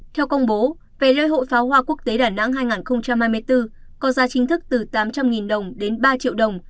theo công bố về lễ hội pháo hoa quốc tế đà nẵng hai nghìn hai mươi bốn có giá chính thức từ tám trăm linh đồng đến ba triệu đồng